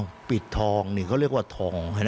ปิดทองนี่เขาเรียกว่าทอง